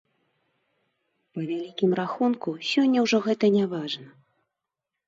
Па вялікім рахунку, сёння ўжо гэта няважна.